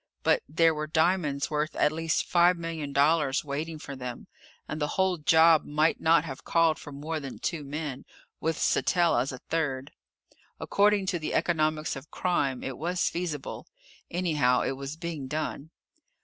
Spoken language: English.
But there were diamonds worth at least five million dollars waiting for them, and the whole job might not have called for more than two men with Sattell as a third. According to the economics of crime, it was feasible. Anyhow it was being done.